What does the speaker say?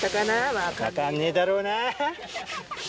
分かんねぇだろうなぁ。